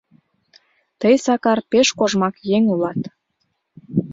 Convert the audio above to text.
Тый, Сакар, пеш кожмак еҥ улат...